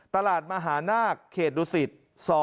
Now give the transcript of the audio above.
๑ตลาดมหานาคเขตดุศิษย์